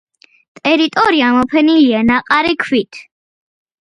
ტერიტორია მოფენილია ნაყარი ქვით.